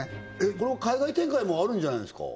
これ海外展開もあるんじゃないですか？